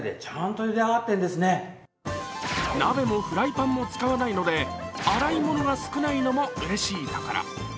鍋もフライパンも使わないので洗い物が少ないのもうれしいところ。